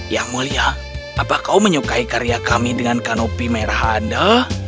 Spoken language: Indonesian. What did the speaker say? yang mulia apa kau menyukai karya kami dengan kanopi merah anda